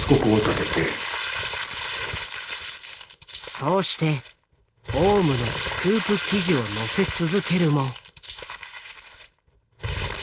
そうしてオウムのスクープ記事を載せ続けるも。